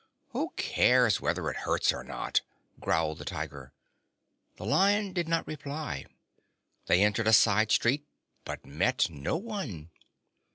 "Who cares whether it hurts or not?" growled the Tiger. The Lion did not reply. They entered a side street, but met no one.